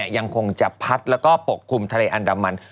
ยังคงจะพัดแล้วก็ปกคลุมทะเลอันดามัน